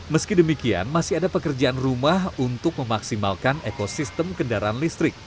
meski demikian masih ada pekerjaan rumah untuk memaksimalkan ekosistem kendaraan listrik